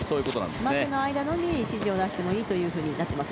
待ての間のみ、指示を出してもいいということになっています。